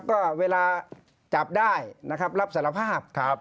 ก็เวลาจับได้รับสารภาพ